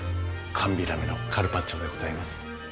寒ビラメのカルパッチョでございます。